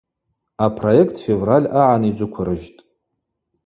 Апроект февраль агӏан йджвыквыржьтӏ.